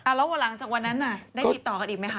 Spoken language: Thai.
แล้วหลังจากวันนั้นได้ติดต่อกันอีกไหมค